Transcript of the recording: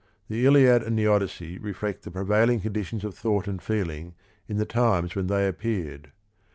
The Iliad and the Odyssey reflect the prevailing conditions of thought and feeling in the times when they appeared.